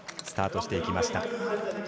スタートしていきました。